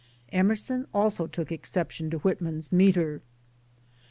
Emerson also took exception to Whitman's metre.